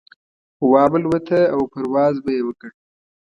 وابه لوته او پرواز به يې وکړ.